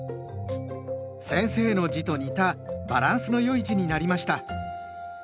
先生の字と似たバランスの良い字になりました。